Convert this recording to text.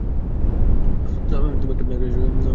তুমি একটা মিথ্যাবাদী!